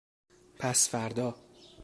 پسفردا